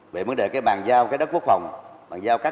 về vấn đề cái bàn giao cái đất quốc phòng